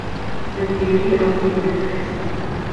The beauty of the universe.